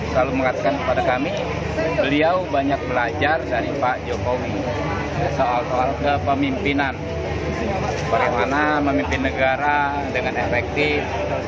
soal ke pemimpinan bagaimana memimpin negara dengan efektif